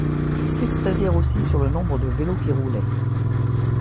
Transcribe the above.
Ils s’extasièrent aussi sur le nombre de vélos qui roulaient